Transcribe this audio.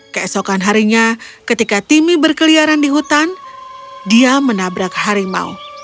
keesokan harinya ketika timmy berkeliaran di hutan dia menabrak harimau